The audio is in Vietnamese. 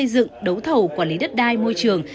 dựng đấu thầu quản lý đất đai môi trường